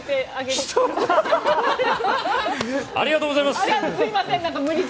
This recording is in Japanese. ひと言ありがとうございます！